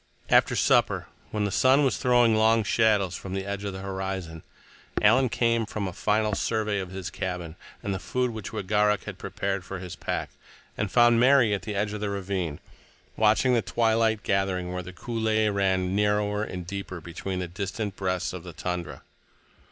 After supper, when the sun was throwing long shadows from the edge of the horizon, Alan came from a final survey of his cabin and the food which Wegaruk had prepared for his pack, and found Mary at the edge of the ravine, watching the twilight gathering where the coulée ran narrower and deeper between the distant breasts of the tundra.